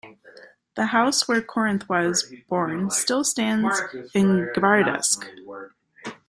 The house where Corinth was born still stands in Gvardeysk.